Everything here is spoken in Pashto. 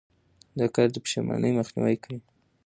دا کار د پښېمانۍ مخنیوی کوي.